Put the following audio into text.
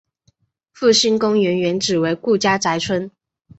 复兴公园原址为顾家宅村。